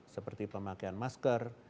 seperti pemakaian masker